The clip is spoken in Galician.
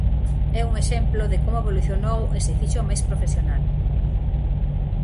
É un exemplo de como evolucionou e se fixo máis profesional.